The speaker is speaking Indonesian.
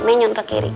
menyon ke kiri